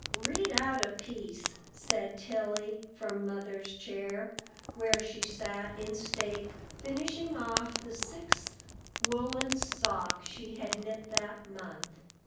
"Read out a piece," said Tilly, from Mother's chair, where she sat in state, finishing off the sixth woolen sock she had knit that month.